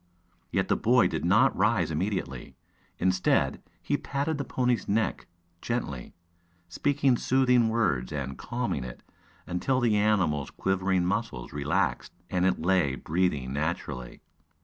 Yet the boy did not rise immediately. Instead, he patted the pony's neck gently, speaking soothing words and calming it until the animal's quivering muscles relaxed and it lay breathing naturally.